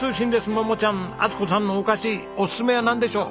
桃ちゃん充子さんのお菓子おすすめはなんでしょう？